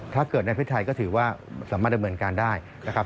ถ้าเกิดในพริกไทยก็ถือว่าสามารถดำเนินการได้นะครับ